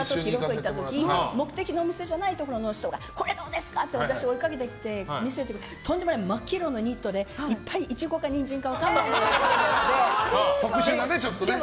澤部さんと一緒に横浜にロケに行った時目的のお店じゃないところの人がこれどうですかって私を追いかけてきて見せてくれてとんでもない真っ黄色なニットでイチゴかニンジンか分からないのがついてるやつで。